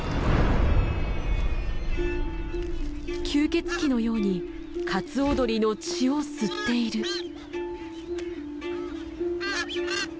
吸血鬼のようにカツオドリの血を吸っている。